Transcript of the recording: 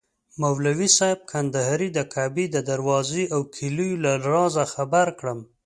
مولوي صاحب کندهاري د کعبې د دروازې او کیلیو له رازه خبر کړم.